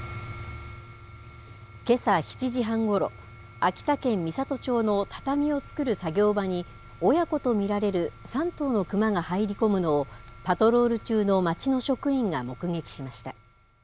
けさ７時半ごろ、秋田県美郷町の畳を作る作業場に、親子と見られる３頭の熊が入り込むのを、パトロール中の町の職員が目撃しました。